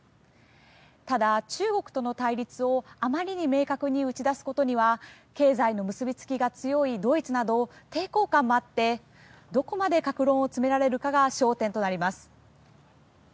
ただ、中国との対立をあまりに明確に打ち出すことには経済の結びつきが強いドイツなど抵抗感もあってどこまで各論を詰められるかが焦点となります。